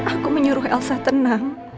aku menyuruh elsa tenang